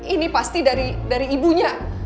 ini pasti dari ibunya